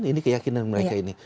ini keyakinan mereka ini